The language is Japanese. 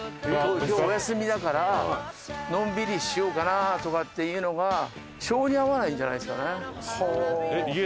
今日お休みだからのんびりしようかなとかっていうのが性に合わないんじゃないですかね。